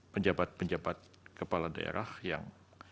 penjabat penjabat kepala daerah yang